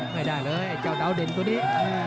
ไม่ได้เลยไอ้เจ้าดาวเด่นตัวนี้